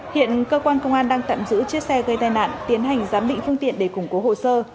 hiện cơ quan công an đang tạm giữ chiếc xe gây tai nạn tiến hành giám định phương tiện để củng cố hồ sơ